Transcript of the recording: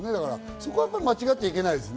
そこは間違っちゃいけないですね。